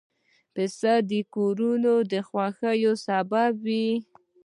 پسه د کورنیو د خوښیو سبب وي.